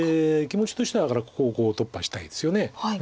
気持ちとしてはだからここを突破したいですよね。